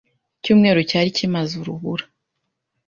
Icyumweru cyari kimaze urubura.